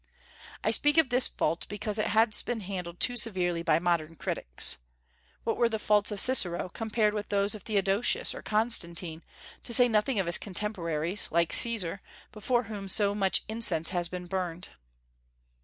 I speak of this fault because it has been handled too severely by modern critics. What were the faults of Cicero, compared with those of Theodosius or Constantine, to say nothing of his contemporaries, like Caesar, before whom so much incense has been burned?